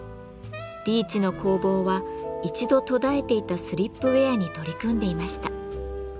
リーチの工房は一度途絶えていたスリップウェアに取り組んでいました。